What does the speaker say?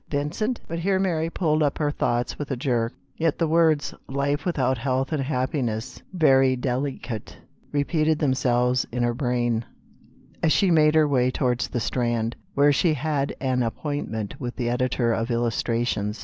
Vincent?" — but here Mary pulled up her thoughts with a jerk Yet the words " life without health and hap piness, "very del i cate," repeated themselves in her brain, as she made her way toward the Strand, where she had an appointment with the editor of Illustrations.